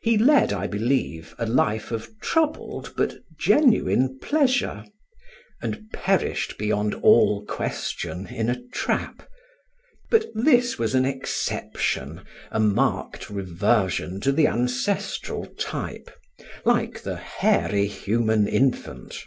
He led, I believe, a life of troubled but genuine pleasure, and perished beyond all question in a trap. But this was an exception, a marked reversion to the ancestral type; like the hairy human infant.